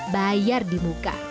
bayar di muka